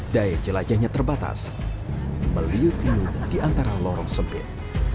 daya jelajahnya terbatas meliut liut di antara lorong sempit